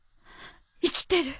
生きてる！